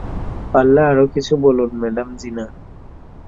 পারলে আরো কিছু বলুন, ম্যাডাম জিনা।